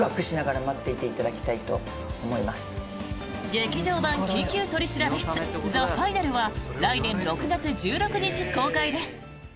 劇場版「緊急取調室ＴＨＥＦＩＮＡＬ」は来年６月１６日公開です。